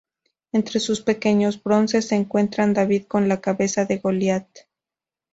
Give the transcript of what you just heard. Entre sus pequeños bronces se encuentra "David con la cabeza de Goliat".